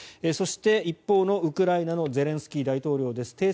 そして一方のウクライナのゼレンスキー大統領です。